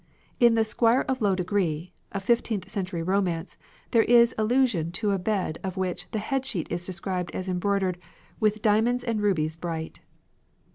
In the "Squier of Lowe Degree," a fifteenth century romance, there is allusion to a bed of which the head sheet is described as embroidered "with diamonds and rubies bright."